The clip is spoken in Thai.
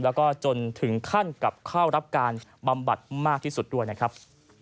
แล้วก็จนถึงขั้นกลับเข้ารับการบำบัดมากที่สุดด้วยนะครับ